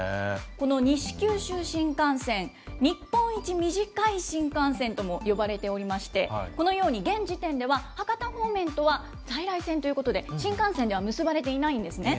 この西九州新幹線、日本一短い新幹線とも呼ばれておりまして、このように現時点では、博多方面とは在来線ということで、新幹線では結ばれていないんですね。